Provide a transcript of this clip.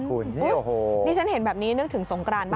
คุณตัวแห่งนี้โฮ่นี่ฉันเห็นแบบนี้นึกถึงสงครานบ้านเรา